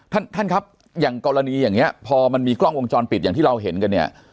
ท่านท่านครับอย่างกรณีอย่างนี้พอมันมีกล้องวงจรปิดอย่างที่เราเห็นกันเนี่ย